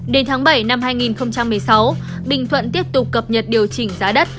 đến tháng bảy năm hai nghìn một mươi sáu bình thuận tiếp tục cập nhật điều chỉnh giá đất